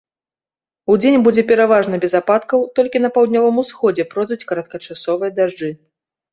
Удзень будзе пераважна без ападкаў, толькі па паўднёвым усходзе пройдуць кароткачасовыя дажджы.